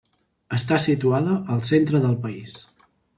Està situada al centre del país.